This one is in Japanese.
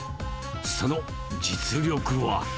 その実力は。